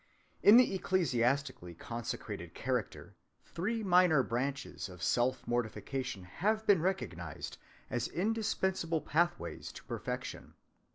In the ecclesiastically consecrated character three minor branches of self‐mortification have been recognized as indispensable pathways to perfection.